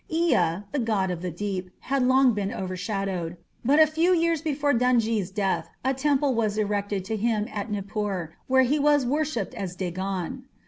Ea, the god of the deep, had long been overshadowed, but a few years before Dungi's death a temple was erected to him at Nippur, where he was worshipped as Dagan.